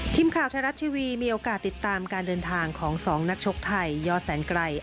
ทีมข่าวไทยรัฐทีวีมีโอกาสติดตามการเดินทางของ๒นักชกไทยยอดแสนไกร